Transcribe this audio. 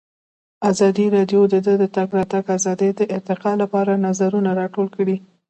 ازادي راډیو د د تګ راتګ ازادي د ارتقا لپاره نظرونه راټول کړي.